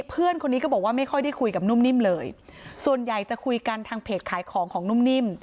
เพื่อนคนนี้ก็บอกว่าไม่ค่อยได้คุยกับนุ่มนิ่มเลยส่วนใหญ่จะคุยกันทางเพจขายของของนุ่มนิ่ม